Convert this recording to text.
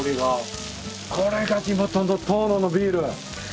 これが地元の遠野のビール。